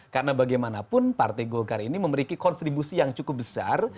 karena bagaimanapun partai golkar ini memiliki kontribusi yang cukup besar